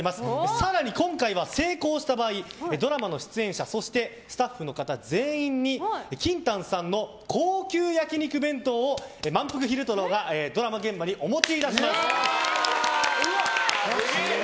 更に今回は成功した場合ドラマの出演者スタッフの方全員にＫＩＮＴＡＮさんの高級焼き肉弁当をまんぷく昼太郎がドラマ現場にお持ちいたします。